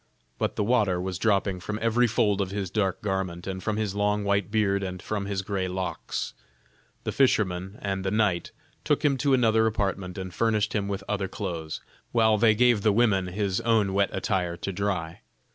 But the water was dropping from every fold of his dark garment, and from his long white beard and from his gray locks. The fisherman and the knight took him to another apartment and furnished him with other clothes, while they gave the women his own wet attire to dry.